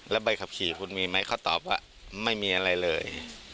แล้วใบขับขี่คุณมีไหมเขาตอบว่าไม่มีอะไรเลย